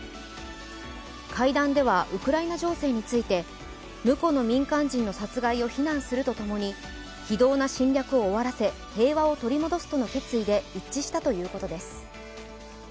会談ではウクライナ情勢についてむこの民間人の殺害を非難するとともに非道な侵略を終わらせ平和を取り戻すとの決意で一致したということです。